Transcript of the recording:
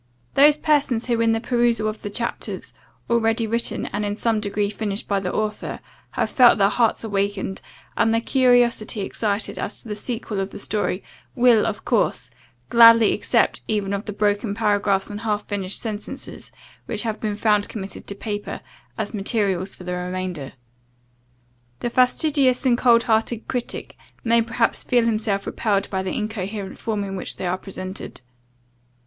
Those persons who in the perusal of the chapters, already written and in some degree finished by the author, have felt their hearts awakened, and their curiosity excited as to the sequel of the story, will, of course, gladly accept even of the broken paragraphs and half finished sentences, which have been found committed to paper, as materials for the remainder. The fastidious and cold hearted critic may perhaps feel himself repelled by the incoherent form in which they are presented.